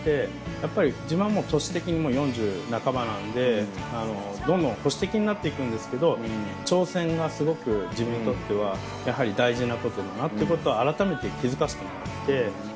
やっぱり自分は年的にもう４０半ばなんでどんどん保守的になっていくんですけど挑戦がすごく自分にとってはやはり大事なことだなってことは改めて気付かしてもらって。